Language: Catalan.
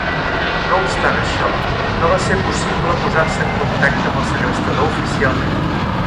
No obstant això, no va ser possible posar-se en contacte amb el segrestador oficialment.